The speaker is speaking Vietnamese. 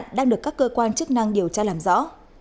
nhân hạn đang được các cơ quan chức năng điều tra làm rõ